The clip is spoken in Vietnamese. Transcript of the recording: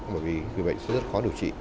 bởi vì người bệnh sẽ rất khó điều trị